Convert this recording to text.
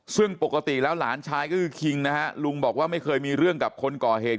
ซึ่งปกติแล้วหลานชายก็คือคิงนะฮะลุงบอกว่าไม่เคยมีเรื่องกับคนก่อเหตุ